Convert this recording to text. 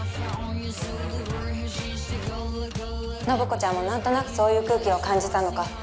信子ちゃんもなんとなくそういう空気を感じたのか